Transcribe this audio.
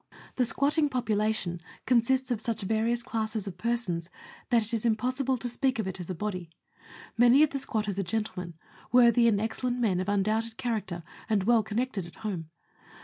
The squatting population consists of such various classes of persons that it is impossible to speak of it as a body. Many of the squatters are gentlemen, worthy and excellent men, of undoubted character and well connected at home.